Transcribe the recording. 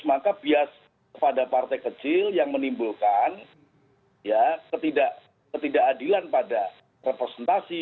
maka bias pada partai kecil yang menimbulkan ketidakadilan pada representasi